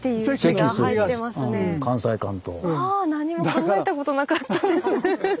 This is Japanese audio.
ああ何も考えたことなかったです。